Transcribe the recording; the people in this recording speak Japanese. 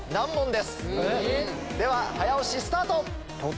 では早押しスタート。